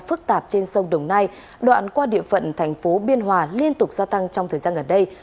phức tạp trên sông đồng nai đoạn qua địa phận thành phố biên hòa liên tục gia tăng trong thời gian gần đây